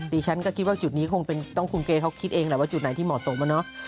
ดิฉันก็คิดว่าจุดนี้คงต้องคุณเกย์เขาคิดเองแหละว่าจุดไหนที่เหมาะสมอะเนาะ